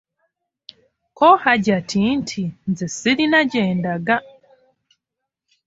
Ko Hajati nti:"nze silina gyendaga"